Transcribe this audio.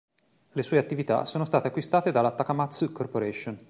Le sue attività sono state acquistate dalla Takamatsu Corporation.